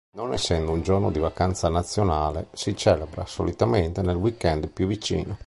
Non essendo un giorno di vacanza nazionale, si celebra solitamente nel weekend più vicino.